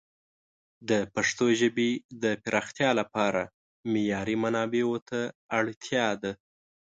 د پښتو ژبې د پراختیا لپاره معیاري منابعو ته اړتیا ده.